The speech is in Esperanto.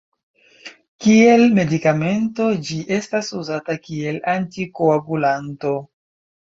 Kiel medikamento ĝi estas uzata kiel antikoagulanto.